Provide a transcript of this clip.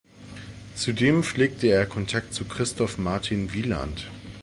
Zudem pflegte er Kontakt zu Christoph Martin Wieland.